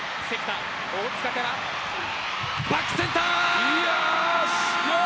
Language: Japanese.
おおつかからバックセンター。